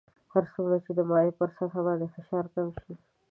هر څومره چې د مایع پر سطح باندې فشار کم شي.